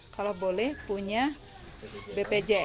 kalau boleh punya bpjs